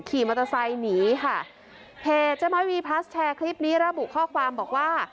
ขี่มอเตอร์ไซค์หนีค่ะเพจเจ๊ม้อยวีพลัสแชร์คลิปนี้ระบุข้อความบอกว่า